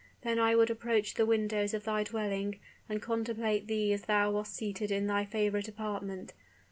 Then I would approach the windows of thy dwelling and contemplate thee as thou wast seated in thy favorite apartment.